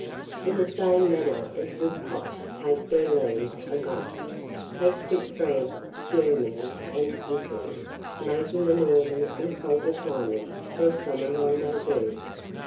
In the same manner as woodcocks take their leave of us, they quit France, Germany, and Italy, making the northern and colder climates their summer rendezvous.